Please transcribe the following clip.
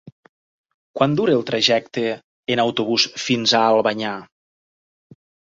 Quant dura el trajecte en autobús fins a Albanyà?